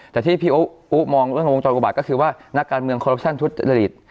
แต่ที่พี่อูว่ามองเรื่องวงจรอุบาตก็คือว่านักการเมืองทุจริต